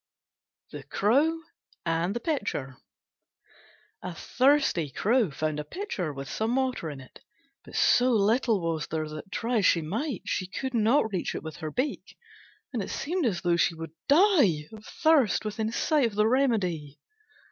THE CROW AND THE PITCHER A thirsty Crow found a Pitcher with some water in it, but so little was there that, try as she might, she could not reach it with her beak, and it seemed as though she would die of thirst within sight of the remedy.